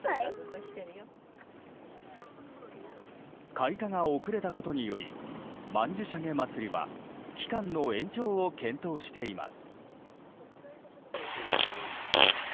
開花が遅れたことにより曼殊沙華まつりは期間の延長を検討しています。